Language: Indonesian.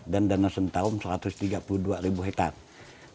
dan danau sentarung satu ratus tiga puluh dua ribu hektare